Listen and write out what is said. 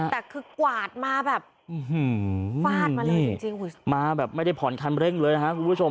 แต่คือกวาดมาแบบฟาดมาเลยจริงมาแบบไม่ได้ผ่อนคันเร่งเลยนะครับคุณผู้ชม